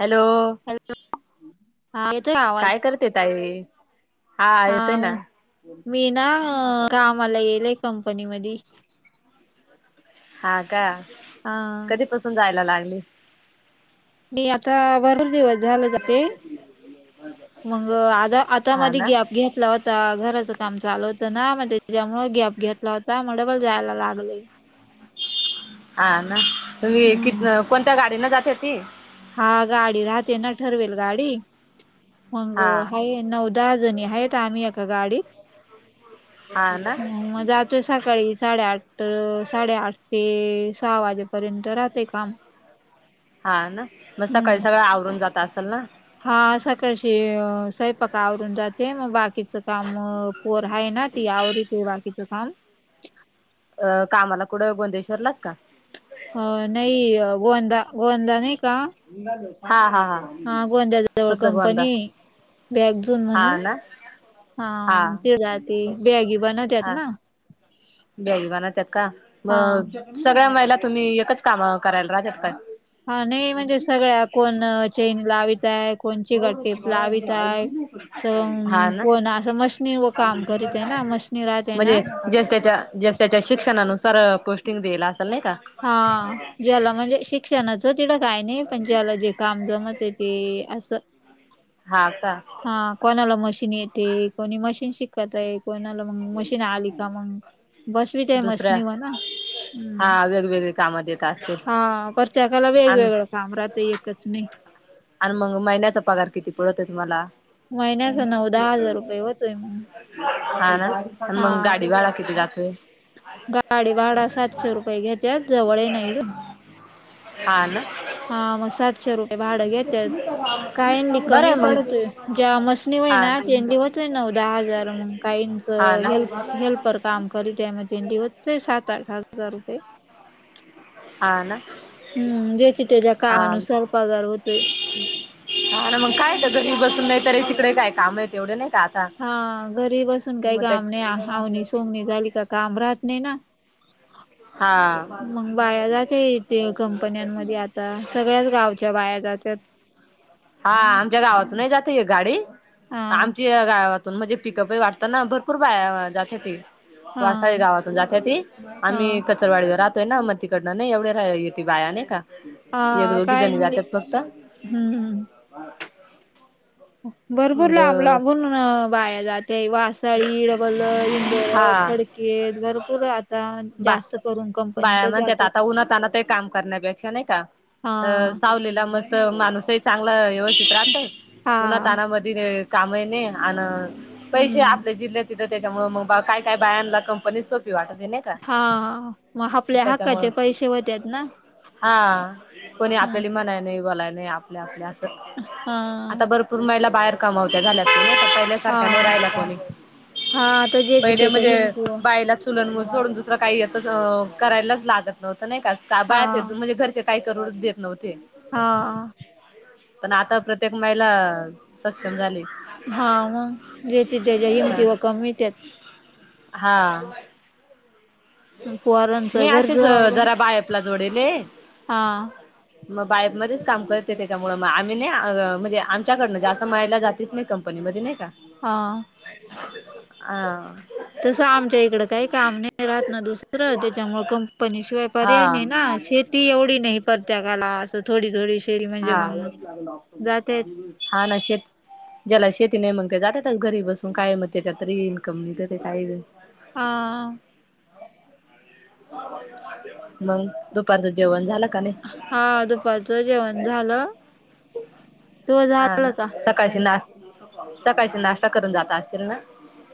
Hello hello हा येतोय आवाज ते तई हा मी ना कामाला येलय कंपनी मध आग हा सून जायला लागली मी आता भरर देऊ झालं ते मग आता आता हा मध्ये ना गॅप घेतला घराचं काम चालू होतं ना मग त्याच्यामु गॅप घेतला होता मग डबल जायला लागले हा ना तुम्ही कती हम्म कोणत्या गाडीन जात हो ती हा गाडी राहते ना ठरवेल गाडी मग हा नऊ दहा जणी आहेत आम्ही एका गाडी आ ना जातोय सकाळी साडेआठ साडेआठ ते सहा वाजेपर्यंत राहते काम हा ना मग हम्म सकाळी सगळं आवरून जात असेल ना? हा सकाळचे स्वयंपाक आवरून जाते, मग बाकीचं काम पोर हाय ना ती आवरती बाकीचं काम. अ कामाला कुठं बोंदेश्वरलाच का? अ नाही अ गोंदा गोदा नाही का हा, हा, हा. हा गोंद्याच्या जवळ सध्या गोंदा कंपनी हाय. बॅक झून हा म्हणून ना हा तिला ती बॅगी बनवत्यात हा ना बॅगी बनवतात का? हा मग सगळ्या महिला तुम्ही एकच काम करायला राहत्यात का? हा नाही म्हणजे सगळ्या कोण चेन लावीत हाय कोणची चिगट टेप लावीत आहे, हा तर ना कोण असं मशनी व काम करीत आहे ना. मशी म्हणजे जच्या त्याच्या, जच्या त्याच्या शिक्षणानुसार पोस्टिंग दियला असल नाही का? हा ज्याला म्हणजे शिक्षणाचं तिडं काय नाही, पण ज्याला जे काम जमतंय ते असं हा का? हा कोणाला मशीन येते, कोणी मशीन शिकतय, कोणाला मग मशीन आली का मग बसवीते मशीनीवर ना. हम्म. वेगवेगळे काम दे हा प्रतेकाला वेगवेगळं काम राहत एकच नाही. आणि मग महिन्याचा पगार किती पडतंय तुम्हाला? महिन्याचा नऊ दहा हजार रुपये होतोय मग. हा ना. हा मग, गाडी भाड किती जातोय? गाडी भाडा सातशे रुपये घ्येत्यात जवळ ये ना इडून. हा ना हा मसाज शे रुपये भाडं घेतात. कायली बरं कमी आहे मग पडतोय जेवा मसणी होई हा ना तेनली हो हुतोय नऊ, दहा हजार मग. काहींच हा ना. हेल्प हेल्पर हा काम करीत्या मग तेन होतय सात, आठ हजार रुपये. ना हम्म ज्याची त्याच्या हा कामानुसार पगार होतोय. हा ना, मग काय घरी बसून नाही तर तिकडे काय काम आहे तेवढे नाही का आता हा घरी बसून काही मग त्या काम नाही. आवणी सोमनी झाली का काम राहत नाही ना. [inaudible] हा. मग बाया जाते ते कंपन्यांमध्ये आता सगळ्याच गावच्या बाया जातात हा आमच्या गावातून नाही जात एक गाडी. हा आमच्या गावात म्हणजे पिकअप वाटतं ना भरपूर बाया जातेती, वाारसाळी हा गावातून जातेती. हा आम्ही कचरवाडीला राहोय ना, मग तिकडनं नाही एवढे रा येते बाया नाही का. एक हा दोघी जणी कायनली जात्यात फक्त. हम्म, हम्म. भरपूर मग लांब लांबून बाया जाते. वा साळी, डबल इंदोर, हा खडकेत भरपूर आता बा जास्त करून कंपनी बाया तर म्हणत्यात जातात आता उन्हातान्हातही काम करण्यापेक्षा नाही का हा अ सावलीला मस् त माणूसही चांगला व्यवस्थित राहतंय. हा ऊन्हातान्हामध्ये कामही नाही आणि पैसे हम्म आपल्या जिल्ह्यात तिथं त्याच्यामुळे मग काय काय बायाला कंपनी सोपी वाटते नाही. का हा, हा. मग आपल्या त्याच्यामुळं हक्काचे पैसे होतेत ना. हा, कोणी आपल्याली हम्म म्हणाय नाही बोलाय नाही. आ पले आपले असं. हा आता भरपूर महिला बाहेर कमावत्या झाल्या नाही का. पहिल हा सारखा नाही राहिला कोणी. हा ते जे पहिले म्हणजे बायलाच चूल आणि मूल सोडून दुसरं काही येत करायलाच लागत नव्हतं नाही का. हा बाहेरचे म्हणजे घरचे काही करूनच देत नव्हते. हं ह. पण आता प्रत्येक महिला सक्षम झाली. हा मग, ज्याच्या त्याच्या हिमतीवर काम मिळतात. हा. मी पोरांचं असेच घरचं आवरून जरा बायपला जोडेले. हा. मग बायप मध्येच काम करते. त्याच्यामुळे मग आम्ही नाहअ म्हणजे आमच्याकडनं असं माहेरला जात [unintelligible] नाही कंपनीमध्ये नाही का. हा. ह. तसं आमच्या इकड काही काम नाही. राहत ना दुसरं त्याच्यामुळ कंपनी शिवाया हा पर्याय नाही ना शेत ती एवढी नाही परत्येकाला असं थोडी थोडी शेरी म्हणजे हा मग जाते. हा ना शेत. ज्याला शेती नाही मग त्या जातातच घरी बसून काय मग त्याच्यातरी इन्कम नाही ते काही. हा. मग दुपारचं जेवण झालं का नाही? हा दुपारचं जेवण झालं. तू हा झालं हा का सकाळशी नाश सकाळशी नाश्ता करून जात असतील ना?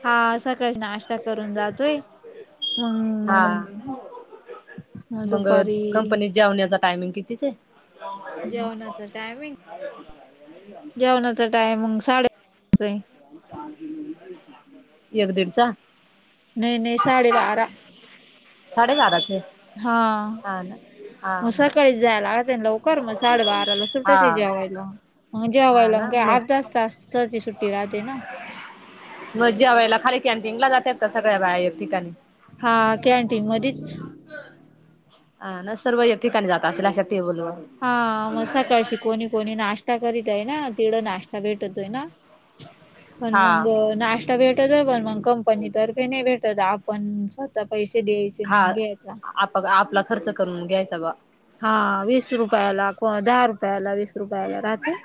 हा सकाळ नाश्ता करून जातोय. हा मग मग दुपारी कंपनीत जेवण्याचा टायमिंग कितीच आहे. जेवणाचा टायमिंग जेवणाचा टायमिंग साडे [unintelligible] आहे. एक दिडचा. नाही नाही साडे बारा. साडे बाराचे. हा. मग सकाळीच जायला लागतय ना लवकर मग साडेबाराला हा सुटते हा जेवायला. मग हा जेवायला मग ना काही अर्ध्याच तासाची सुट्टी राहते ना. मग जेवायला खाली कॅन्टीन ला जातत का सगळ्या बाया एक ठिकाणी. हा कॅन्टीन मदिच. अ न सर्व एक ठिकाणी जात असेल अशा टेबलवर. हा मग सकाळशी कोणी कोणी नाष्टा करीत आहे ना. तिड नाष्टा भेटतोय ना. पण हा मग नाष्टा भेटतोय पण मग कंपनीतर्फे नाही भेटत आप पण स्वतः पैसे द्यायचे हा मग घ्यायचा. आप आपला खर्च करून घ्यायचा बा. हा वीस रुपयाला को दहा रुपयाला वीस रुपयाला राहतेय.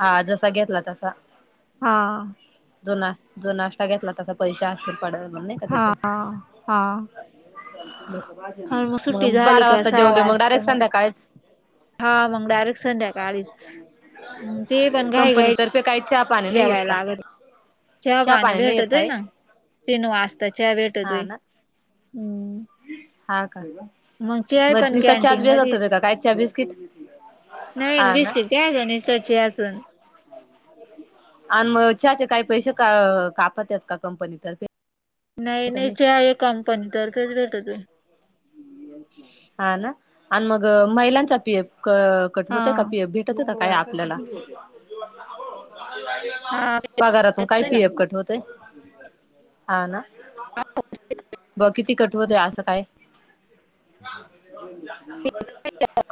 हा जसा घेतला तसा. हा. जो ना जो नाष्टा घेतला तसा पैशा असतीलर पडत. हा हा, हा. हर मग सुट्टी झाली बारा का वाजता सहा जेवलो मग वाजता डायरेक्ट म. संध्याकाळीच हा मग डायरेक्ट संध्याकाळीच ते पण घाई घाई तर काही चहा पाणी नाही येत जेवायला का? लागत चहा पाणी नाही येत भेटतोय काय ना तीन वाजता चहा हा भेटतोय. ना हम्म. हा का. चहा मग पण नुसता चहाच कॅन्टीन मध्येच भेटतो का, चहा बिस्कीट. हा ना त्या गणेशच चहा पण. आणि मग चहाचे काही पैसे का कापतात का कंपनीतर्फे. नाही नाही चहा हे कंपनीतर्फेच भेटतोय. हा ना आणि मग महिलांचा पी एफ कट हा होतोय का पी एफ. भेटतोय का काही आपल्याला. हा पगारातून काही भेटतोय ना पीएफ कट होतोय. हा ना ब किती कट होतोय असं काय.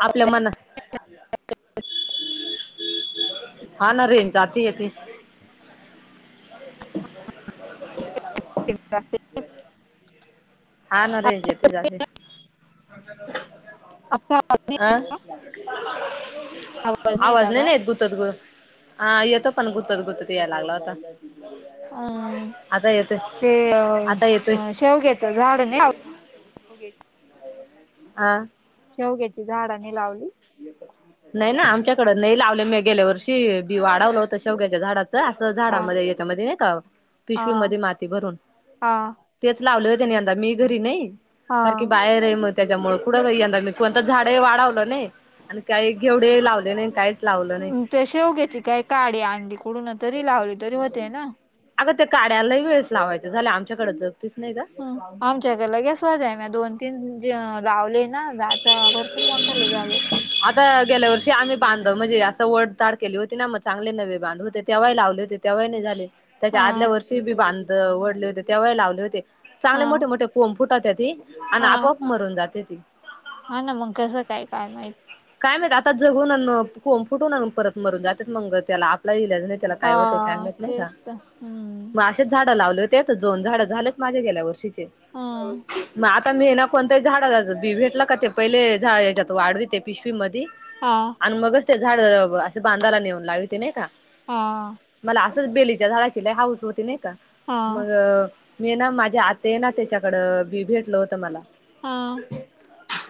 आपल्या मनात हा ना रेंज जाती येती. [unintelligible] [unintelligible] हा ना रेंज येते जाते. अख्खा अ आवाज नाहीना येत गुत हा येतो पण गुतत गुतत यायला लागला होता. अम्म आता येतोय ते आता येतोय शेवग्याच झाड नाही [unintelligible] हा शेवग्याची झाड नाही लावली. नाही ना आमच्याकड नाही लावले. मी गेल्या वर्षी बी वाढवलं होत शेवग्याच्या झाडाच. असं हा झाडामध्ये याच्यामध्ये नाही का, हा पिशवी मध्ये माती भरून. हा तेच लावले होते ना यंदा. मी घरी नाही. हा सारखी बाहेर आहे. मग त्याच्यामुळे कुठं यंदा मी कोणत झाडे वाढवलं नाही. आणि काही घेवडे लावले नाही. काहीच लावलं नाही ते शेवग्याची काय काडी आणली कुडून तरी लावली तरी होते ना. अगं त्या काड्या लयी वेळस लावायचं झालं आमच्याकड तर. तेच नाही का. हम्म आमच्या त्या लगेच स्वाजा मी दोन तीन जे लावले ना. आता भरपूर मोठाले झाले. आता गेल्या वर्षी आम्ही बांध म्हणजे असं वडताड केली होती ना मग चांगले नवे बांध होते. तेव्हाही लावले होते. तेव्हा नाही झाले‌ त्याच्या हा आदल्या वर्षी बी बांध वढले होते तेव्हाही लावले होते. चांगले हा मोठे मोठे कोम फुटत्याती. आणि हा आपोआप मरून जात्याती. हा ना मग कसं काय काय माहित. काय माहिती आता जगुन कोम फुटुन परत मरून जातात. मंग त्याला आपला इलाज नाही. त्याला हा काय होतय काय माहित नाही का. तेच तर हम्म. ते झाड लावले होते तर दोन झाड झाले माझे गेल्या वर्षीचे. हा मग आता आता मी हे ना कोणत्याही झाडाच बी भेटल का, ते पहिले झा याच्यात वाढवीते पिशवी मधी. हा आणि मगच ते झाड असे बांधाला नेऊन लाविते नाही का. हा मला असंच बेलीच्या झाडाची लई हाऊस होती नाही का. हा मग मी हे ना माझी आत्या आहे ना, तीच्याकड बी भेटल होत मला. हा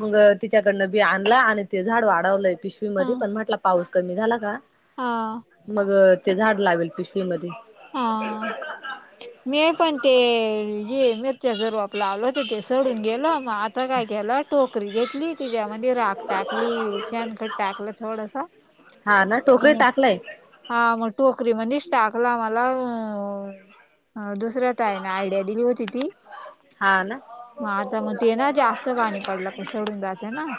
मग तिच्याकडनं बी आणल. आणि ते झाड वाढलंय हा पिशवीमध्ये. पण म्हटल पाऊस कमी झाला का हा मग ते झाड लावेल पिशवी मध्ये. हा मी पण ते ये मीर मिरचीच रोप लावल होत. ते सडून गेल. मग आता काय केल टोकरी घेत घेतली. तिच्यामध्ये राख टाकली. शेणखत टाकल थोडस. हा ना टोकरीत आणि टाकलय. हा मग टोकरी मध्येच टाकल मला अ दुसऱ्या ताईन आयडिया दिली होती ती. हा ना मग आता मग ते ना जास्त पाणी पडलं का सडून जाते ना.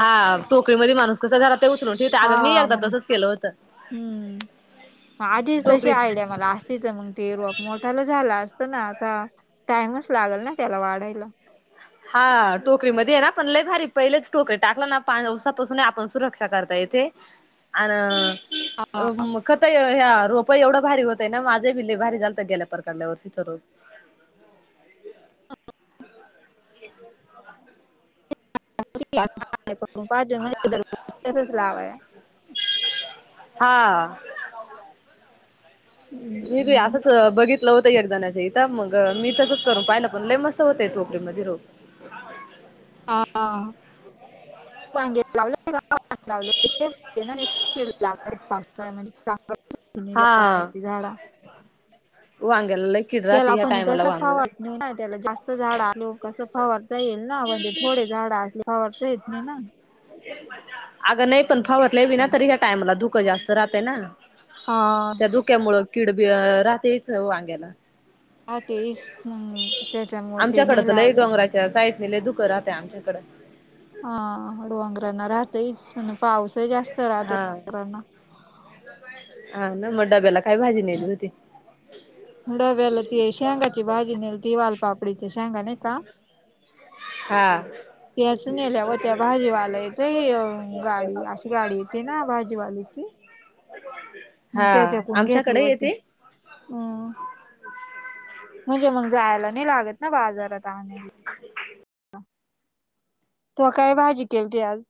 हा टोकळीमध्ये माणूस कसं घरात उचलून ठेवते हा अग मी एकदा मग तसंच केलं होतं. हम्म आधीच तशी टोकरी आयड्या मला असतीच मग ते रोप मोठाला झाला असतं ना आता. टाइमच लागेल ना त्याला वाढायला. हा टोकरीमध्ये आहे ना पण लय भारी पहिलेच टोकरी टाकला ना पाण्या दिवसापासून आपण सुरक्षा करता येते. आन अ ब खत ह्या रोप एवढं भारी होतय ना माझे बि लयी भारी झालतं गेल्या प प्रकारडल्यावर तिथं रोप. [inaudible] ून पाच जण तच लाव आहे [unintelligible] हा मी बी आ. हम्म. आताच बघितलं होतं एक जणाच्या इथ मग मी तसंच करून पाहिलं पण लयी मस्त होतय टोकरीमध्ये रोप. हा ह वांगे लावलं लावळ ला पावस [unintelligible] म्हणजेां हा झाड [unintelligible] वांग्याला लई त्याला कणी तसं फावरणी नाही त्याला जास्त झाड आल्यावर कसं फवरता येईल ना म्हणजे थोडे झाड असले फवरता येत ना अगं नाही पण फावतले वि ना तरी या टाइमला धुकं जास्त राहतं ना ह त्यामुळे किडा वेडा राहतेच वांग्याला हा ते हम् त्याच्यामु ते नाही लावलं [unintelligible] त्या साईडला लयी धुक राहत आमच्याकडे हा डोंगरांना राहतयच आणि पाऊस जास्त राहत हा डंगरांना हा ना मग डब्याला काय भाजी नेली होती डब्याला ती शेंगाची भाजी नेली ती वाल पापडीच्या शेंगा नेलता हा त्याच नेल्याव त्या भाजीवाला येतोय गाडी अशी गाडी येते ना भाजीवाली क [unintelligible] हा आमच्याकडे होती येते हम्म म्हणजे मग जायला नाही लागत ना बाजारात आण अ [unintelligible] [inaudible] तु काय भाजी केलती आज